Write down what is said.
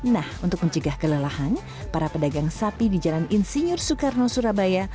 nah untuk mencegah kelelahan para pedagang sapi di jalan insinyur soekarno surabaya